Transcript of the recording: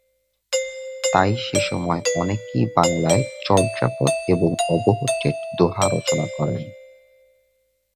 তাই সে সময় অনেকেই বাংলায় চর্যাপদ এবং অবহট্ঠে দোহা রচনা করেন।